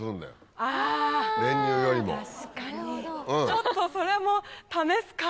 ちょっとそれも試すか。